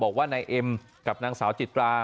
บอกว่านายเอ็มกับนางสาวจิตรา